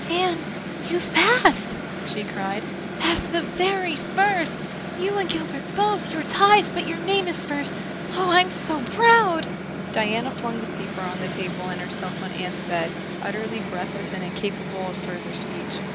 "Anne, you've passed," she cried, "passed the very first you and Gilbert both you're ties but your name is first. Oh, I'm so proud!" Diana flung the paper on the table and herself on Anne's bed, utterly breathless and incapable of further speech.